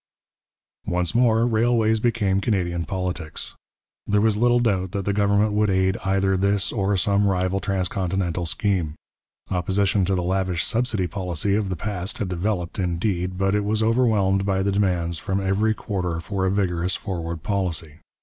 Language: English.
Once more railways became Canadian politics. There was little doubt that the government would aid either this or some rival transcontinental scheme. Opposition to the lavish subsidy policy of the past had developed, indeed, but it was overwhelmed by the demands from every quarter for a vigorous forward policy.